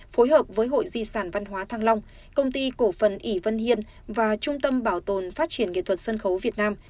phối hợp với hội di sản văn hóa thăng long công ty cổ phần ỉ vân hiên và trung tâm bảo tồn phát triển nghệ thuật sân khấu việt nam